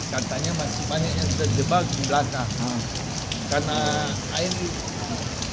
katanya masih banyak yang terjebak di belakang